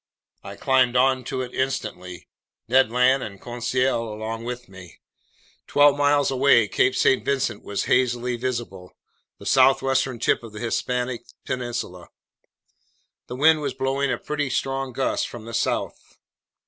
I climbed onto it instantly, Ned Land and Conseil along with me. Twelve miles away, Cape St. Vincent was hazily visible, the southwestern tip of the Hispanic peninsula. The wind was blowing a pretty strong gust from the south.